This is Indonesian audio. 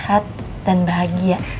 sehat dan bahagia